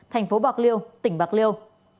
thành phố bạc liêu tỉnh bạc liêu